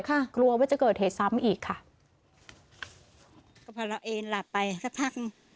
กลัวว่าจะเกิดเหตุซ้ำอีกค่ะก็พอเราเอ็นหลับไปสักพักหนึ่ง